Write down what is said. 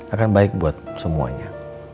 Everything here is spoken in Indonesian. akan baik buat semuanya